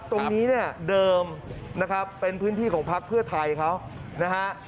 ตรงนี้เนี่ยเดิมนะครับเป็นพื้นที่ของพักเพื่อไทยเขานะฮะ